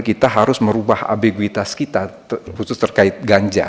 kita harus merubah abegitas kita khusus terkait ganja